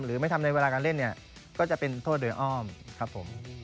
หรือไม่ทำในเวลาการเล่นเนี่ยก็จะเป็นโทษโดยอ้อมครับผม